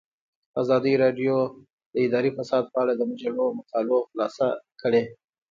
ازادي راډیو د اداري فساد په اړه د مجلو مقالو خلاصه کړې.